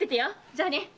じゃあね！